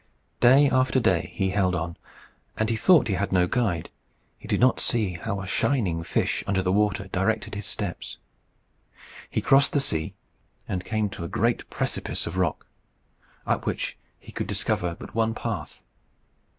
Day after day he held on, and he thought he had no guide. He did not see how a shining fish under the water directed his steps. He crossed the sea, and came to a great precipice of rock, up which he could discover but one path.